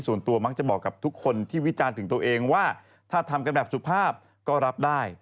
ส่วนตัวมักจะบอกกับทุกคนที่วิจารณ์ถึงตัวเองว่าถ้าทำกันแบบสุภาพก็รับได้